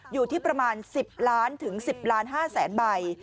อยู่ที่ประมาณ๑๐ล้านถึง๑๐ล้าน๕แสนใบ